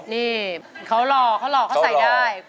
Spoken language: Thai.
นี่เขาหล่อเขาหล่อเขาใส่ได้